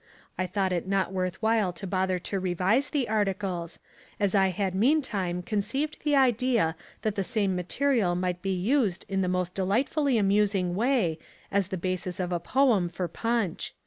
I thought it not worth while to bother to revise the articles as I had meantime conceived the idea that the same material might be used in the most delightfully amusing way as the basis of a poem far Punch.